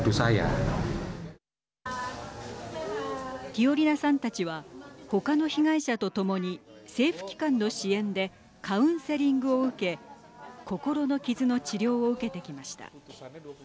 ティオリナさんたちは他の被害者と共に政府機関の支援でカウンセリングを受け心の傷の治療を受けてきました。